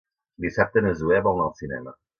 Dissabte na Zoè vol anar al cinema.